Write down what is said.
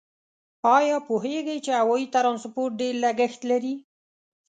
آیا پوهیږئ چې هوایي ترانسپورت ډېر لګښت لري؟